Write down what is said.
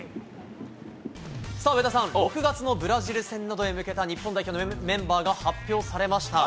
さあ、上田さん、６月のブラジル戦などへ向けた日本代表のメンバーが発表されました。